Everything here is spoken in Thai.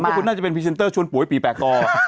ว่าคุณน่าจะเป็นพรีเซนเตอร์ชวนปุ๋ยปี๘กอ